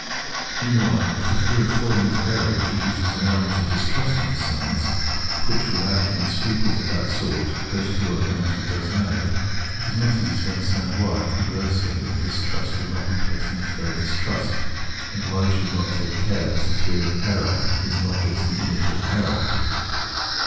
Meanwkile, if tke fear of falkng into error introduces an element of distrust into science, wkick witkout any scruples of tkat sort goes to work and actually does know, it is not easy to understand wky, conversely, a distrust skould not be placed in tkis very distrust, and wky we skould not take care lest tke fear of error is not just tke initial error.